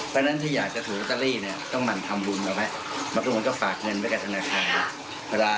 บางคนก็ฝากเงินไว้กับธนาคาร